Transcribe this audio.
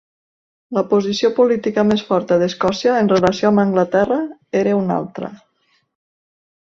La posició política més forta d'Escòcia en relació amb Anglaterra era una altra.